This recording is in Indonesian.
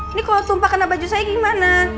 ini kalo tumpah kena baju saya gimana